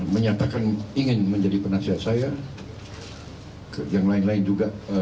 menyatakan ingin menjadi penasihat saya yang lain lain juga